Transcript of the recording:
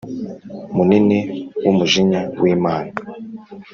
Munini w umujinya w imana